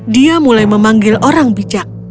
dia mulai memanggil orang bijak